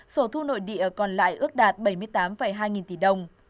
số thu nội địa còn lại ước đạt bảy mươi tám hai nghìn tỷ đồng